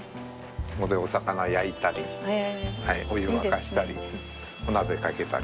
ここでお魚焼いたりお湯沸かしたりお鍋かけたり。